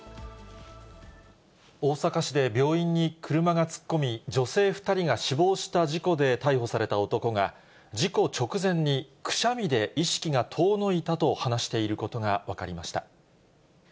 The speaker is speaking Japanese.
大阪市で病院に車が突っ込み、女性２人が死亡した事故で逮捕された男が、事故直前にくしゃみで意識が遠のいたと話していることが分かりました。